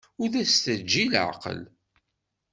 Ur as-teǧǧi leɛqel!